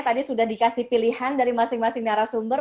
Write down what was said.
tadi sudah dikasih pilihan dari masing masing daerah sumber